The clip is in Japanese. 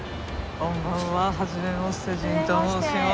こんばんは初めましてジンと申します。